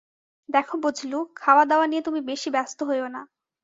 দেখো বজলু, খাওয়াদাওয়া নিয়ে তুমি বেশি ব্যস্ত হয়ো না।